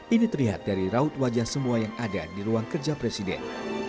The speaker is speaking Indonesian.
ini terlihat dari raut wajah semua yang ada di ruang kerja presiden